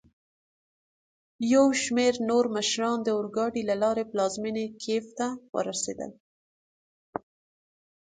یوشمیرنورمشران داورګاډي له لاري پلازمېني کېف ته ورسېدل.